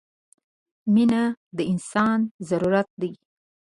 • مینه د انسان ضرورت دی.